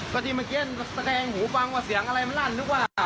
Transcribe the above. กะทิเมื่อกี้สแกงหูฟังว่าเสียงอะไรมันลั่นด้วยกว่า